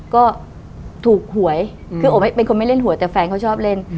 ก็ถูกหวยคือโอ๊เป็นคนไม่เล่นหวยแต่แฟนเขาชอบเล่น